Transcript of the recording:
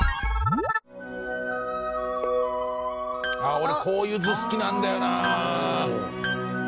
俺こういう図好きなんだよな！